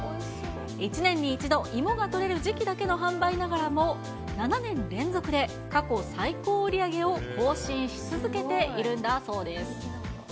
１年に１度、芋が取れる時期だけの販売ながらも、７年連続で過去最高売り上げを更新し続けているんだそうです。